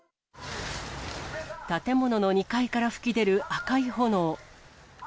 建物の２階から噴き出る赤い炎。